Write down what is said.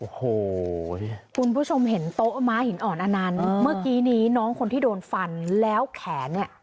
โอ้โหคุณผู้ชมเห็นโต๊ะม้าหินอ่อนอันนั้นเมื่อกี้นี้น้องคนที่โดนฟันแล้วแขนเนี่ย